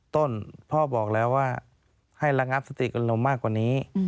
ต้นพ่อบอกแล้วว่าให้ระงับสติอารมณ์มากกว่านี้